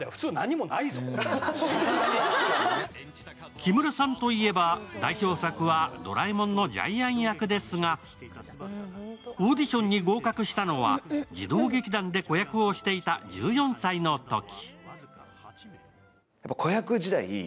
木村さんといえば代表作は「ドラえもん」のジャイアン役ですが、オーディションに合格したのは児童劇団で子役をしていた１４歳のとき。